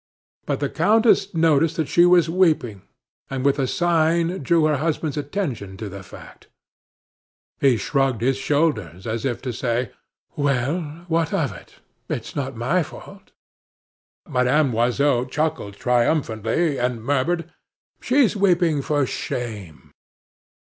But the countess noticed that she was weeping, and with a sign drew her husband's attention to the fact. He shrugged his shoulders, as if to say: "Well, what of it? It's not my fault." Madame Loiseau chuckled triumphantly, and murmured: "She's weeping for shame."